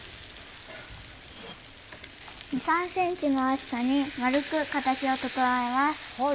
２３ｃｍの厚さに丸く形を整えます。